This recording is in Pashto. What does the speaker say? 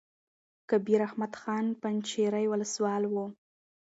کبیر احمد خان پنجشېري ولسوال وو.